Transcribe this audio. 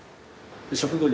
食後に。